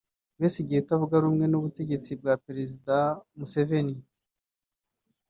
Besigye utavuga rumwe n’ubutegetsi bwa Perezida Museveni